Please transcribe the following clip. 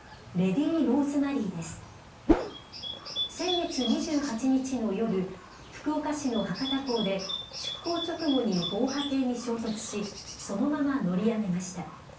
先月２８日の夜、福岡市の博多港で、出航直後に防波堤に直撃し、そのまま乗り上げました。